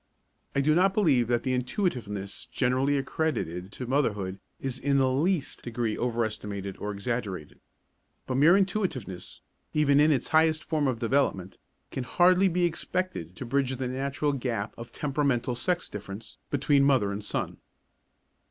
I do not believe that the intuitiveness generally accredited to motherhood is in the least degree overestimated or exaggerated. But mere intuitiveness, even in its highest form of development, can hardly be expected to bridge the natural gap of temperamental sex difference between mother and son.